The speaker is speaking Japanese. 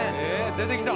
「出てきた！」